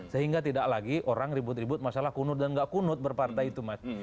sehingga tidak lagi orang ribut ribut masalah kunut dan gak kunut berpartai itu mas